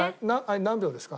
何秒ですか？